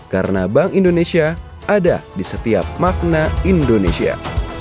karena bank indonesia ada di setiap makna indonesia